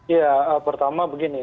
ya pertama begini